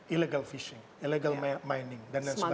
illegal fishing illegal mining dan lain sebagainya